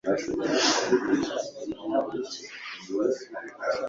Iyo butarira mukaso aba nyoko